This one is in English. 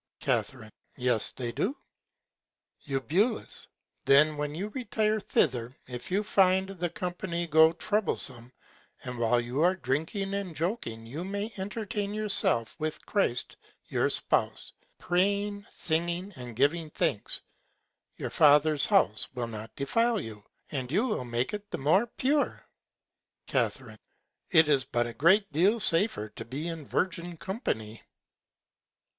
Ca. Yes, they do. Eu. Then you may retire thither, if you find the Company grow troublesome; and while they are drinking and joking, you may entertain yourself with Christ your Spouse, praying, singing, and giving Thanks: Your Father's House will not defile you, and you will make it the more pure. Ca. But it is a great Deal safer to be in Virgins Company.